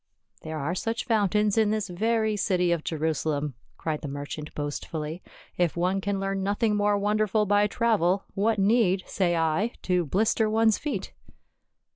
" There are such fountains in this very city of Jerusa lem," cried the merchant boastfully ;" if one can learn nothing more wonderful by travel, what need, say I, to blister one's feet."